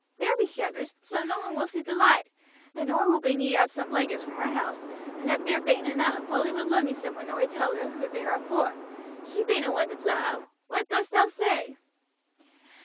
There be shutters, so no one will see the light. Then oi will bring ee up some blankets from our house, and if there bain't enough Polly will lend me some when oi tell her who they are for. She bain't a one to blab. What dost thou say?"